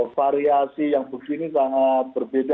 variasi yang begini sangat berbeda